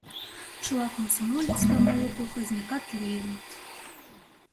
Чыла комсомолец да моло колхозникат лийыныт.